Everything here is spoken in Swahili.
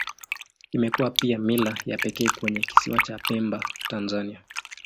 Imekuwa pia mila ya pekee kwenye Kisiwa cha Pemba, Tanzania.